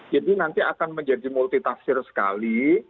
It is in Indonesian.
jadi nanti akan menjadi multi tafsir sekali